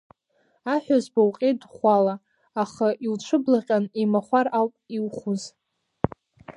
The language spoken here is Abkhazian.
Аҳәызба уҟьеит ӷәӷәала, аха иуцәыблаҟьан, имахәар ауп иухәыз.